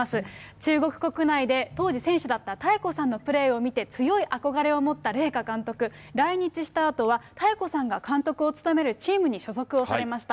中国国内で当時、選手だった妙子さんのプレーを見て、強いあこがれを持った麗華監督、来日したあとは、妙子さんが監督を務めるチームに所属をされました。